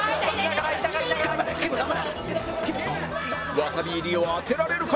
ワサビ入りを当てられるか？